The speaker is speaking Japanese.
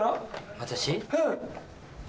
私。